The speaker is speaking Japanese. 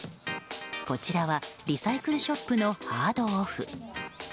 こちらは、リサイクルショップのハードオフ。